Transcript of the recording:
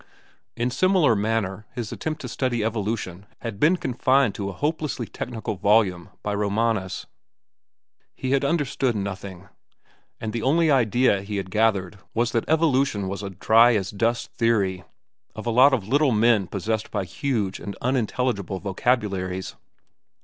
In similar manner his attempt to study evolution had been confined to a hopelessly technical volume by Romanes. He had understood nothing, and the only idea he had gathered was that evolution was a dry as dust theory, of a lot of little men possessed of huge and unintelligible vocabularies.